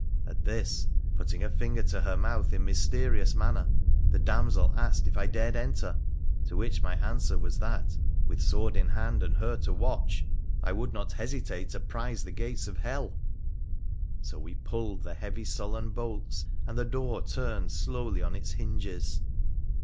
At this, putting a finger to her mouth in mysterious manner, the damsel asked if I dared enter, to which my answer was that, with sword in hand, and her to watch, I z 3oS WONDERFUL ADVENTURES OF would not hesitate to prise the gates of hell ; so we pulled the heavy sullen bolts, and the door turned slowly on its hinges.